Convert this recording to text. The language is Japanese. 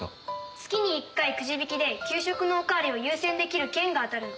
月に１回くじ引きで給食のおかわりを優先できる券が当たるの。